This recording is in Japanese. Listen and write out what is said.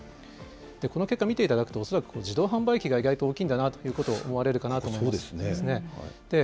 この結果見ていただくと、恐らく自動販売機が意外と大きいんだなということを思われると思います。